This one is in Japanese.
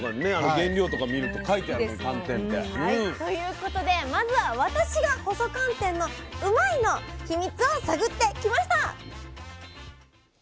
原料とか見ると書いてあるもん寒天って。ということでまずは私が細寒天のうまいッ！の秘密を探ってきました！